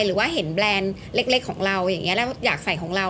หรือว่าเห็นแบรนด์เล็กของเราอย่างนี้แล้วอยากใส่ของเรา